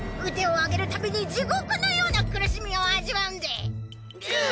腕を上げるたびに地獄のような苦しみを味わうんでい！